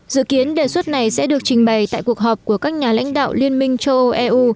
dự kiến đề xuất này sẽ được trình bày tại cuộc họp của các nhà lãnh đạo liên minh châu âu eu